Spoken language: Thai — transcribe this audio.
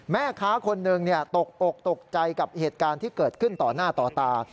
แม่ค้าคนหนึ่งตกอกตกใจกับเหตุการณ์ที่เกิดขึ้นต่อหน้าต่อตา